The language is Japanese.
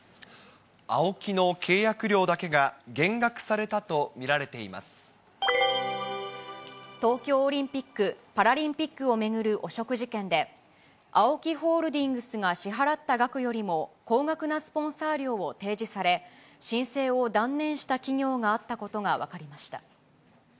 ＡＯＫＩの契約料だけが、東京オリンピック・パラリンピックを巡る汚職事件で、ＡＯＫＩホールディングスが支払った額よりも高額なスポンサー料を提示され、申請を断念した企業があったことが分かりました。